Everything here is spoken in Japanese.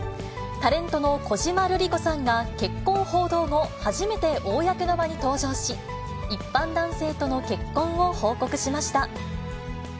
タレントの小島瑠璃子さんが結婚報道後初めて公の場に登場し、一般男性との結婚を報告しました。